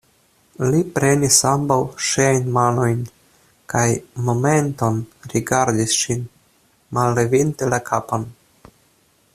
Li prenis ambaŭ ŝiajn manojn kaj momenton rigardis ŝin, mallevinte la kapon